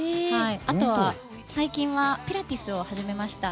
あとは最近はピラティスを始めました。